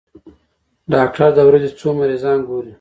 ډاکټر د ورځې څو مريضان ګوري؟